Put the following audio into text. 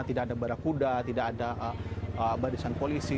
tidak ada barakuda tidak ada barisan polisi